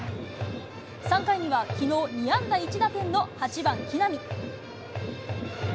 ３回には、きのう２安打１打点の８番木浪。